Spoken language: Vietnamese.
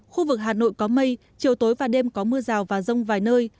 khu vực hà nội có mây chiều tối và đêm có mưa rào và rông vài nơi